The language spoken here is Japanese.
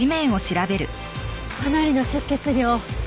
かなりの出血量。